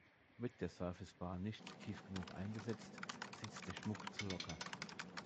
Wird der Surface-Bar nicht tief genug eingesetzt, sitzt der Schmuck zu locker.